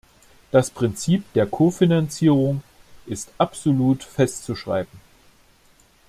Das Prinzip der Kofinanzierung ist absolut festzuschreiben.